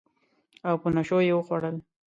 او په نشو یې وخوړل